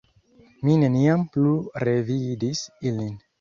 Mi neniam plu revidis ilin.